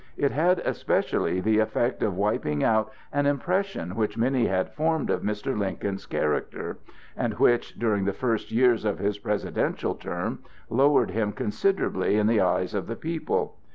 It had especially the effect of wiping out an impression which many had formed of Mr. Lincoln's character, and which, during the first years of his presidential term, lowered him considerably in the eyes of the people.